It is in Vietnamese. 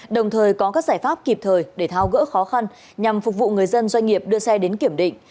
đồng thời có các giải pháp kịp thời để tháo gỡ khó khăn nhằm phục vụ người dân doanh nghiệp đưa xe đến kiểm định